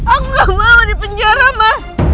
aku gak mau di penjara ma